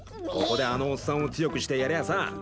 ここであのおっさんを強くしてやりゃあさ